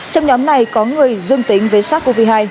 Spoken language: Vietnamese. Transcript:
trong nhóm này có người dương tính với sars cov hai